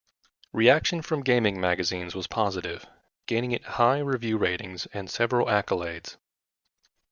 Reaction from gaming magazines was positive, gaining it high review rating and several accolades.